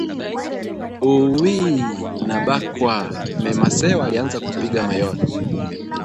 “Uwiiiiii” Nabakwaaa!” Me Masewa alianza kupiga mayowe